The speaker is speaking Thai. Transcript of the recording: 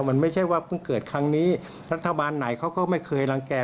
มันไม่ใช่ว่าเพิ่งเกิดครั้งนี้รัฐบาลไหนเขาก็ไม่เคยรังแก่